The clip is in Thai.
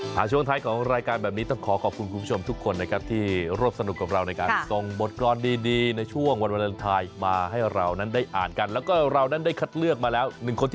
มะระหวานมะระหวานนี่คือ